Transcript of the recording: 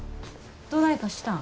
どないかしたん？